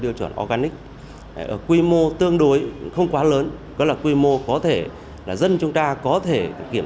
tiêu chuẩn organic ở quy mô tương đối không quá lớn có là quy mô có thể là dân chúng ta có thể kiểm